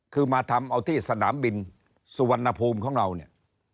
คือมาทำเอาที่สนามบินสุวรรณภูมิของเราเนี่ย